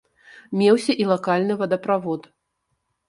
Меўся і лакальны водаправод.